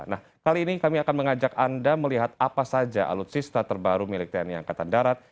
nah kali ini kami akan mengajak anda melihat apa saja alutsista terbaru milik tni angkatan darat